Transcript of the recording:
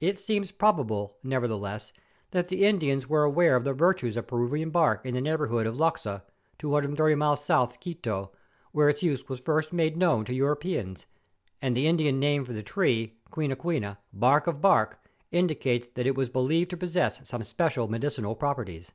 It seems probable, nevertheless, that the Indians were aware of the virtues of Peruvian bark in the neigh¬ bourhood of Loxa, 230 miles south of Quito, where its use was first made known to Europeans, and the Indian name for the tree quina quina, ' bark of bark,' indicates that it was believed to possess some special medicinal properties.